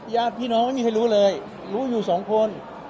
ญาติพี่น้องไม่มีใครรู้เลยรู้อยู่สองคน